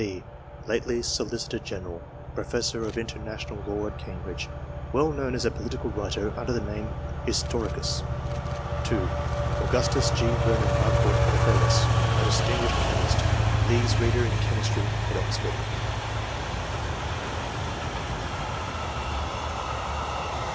P., lately solicitor general, professor of international law at Cam bridge, well known as a political writer under the name " Historicus "; (2) Augustus G. Vernon Harcourt, F.K.S., a distinguished chemist, Lee's reader in chemistry at Oxford.